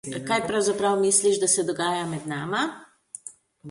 Kaj pravzaprav misliš, da se dogaja med nama?